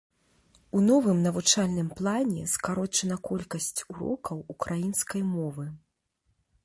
У новым навучальным плане скарочана колькасць урокаў украінскай мовы.